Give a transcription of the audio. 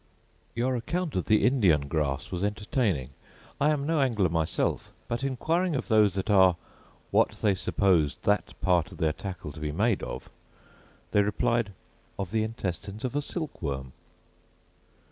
Your account of the Indian grass was entertaining. I am no angler myself; but inquiring of those that are, what they supposed that part of their tackle to be made of? they replied 'of the intestines of a silkworm.